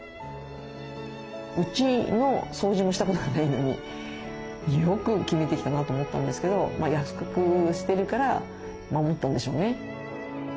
うちの掃除もしたことがないのによく決めてきたなと思ったんですけど約束してるから守ったんでしょうね。